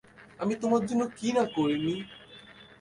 আমি তোমার জন্য কিনা করিনি।